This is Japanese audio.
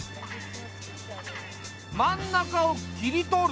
真ん中を切り取る。